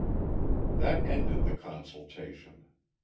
That ended the consultation.